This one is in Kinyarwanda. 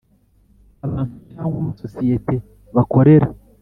abantu cyangwa amasosiyeti bakorera